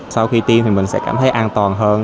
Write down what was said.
sau khi tiêm thì mình sẽ cảm thấy an toàn hơn